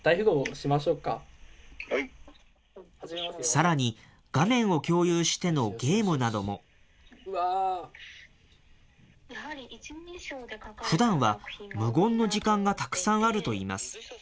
さらに、画面を共有してのゲームなども。ふだんは無言の時間がたくさんあるといいます。